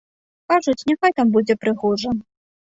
Кажуць, няхай там будзе прыгожа.